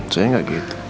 sebenernya gak gitu